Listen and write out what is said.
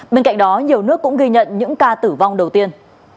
bên cạnh đó nhiều nước cũng ghi nhận những ca tử vong đầu tiên